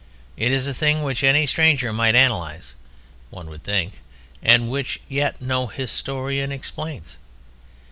It is a thing which any stranger might analyze (one would think) and which yet no historian explains.